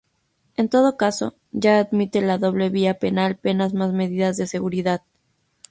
En todo caso, ya admite la doble vía penal: penas más medidas de seguridad.